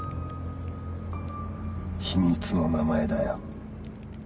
秘密の名前だよ